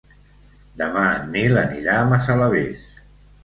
Demà en Nil anirà a Massalavés.